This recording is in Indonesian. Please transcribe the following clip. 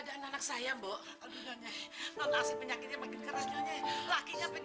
jadi kamu lihat dia sekarang langsung